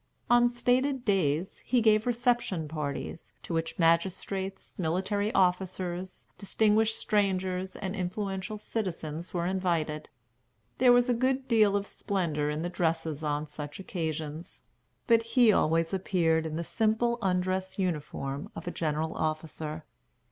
On stated days, he gave reception parties, to which magistrates, military officers, distinguished strangers, and influential citizens were invited. There was a good deal of splendor in the dresses on such occasions; but he always appeared in the simple undress uniform of a general officer.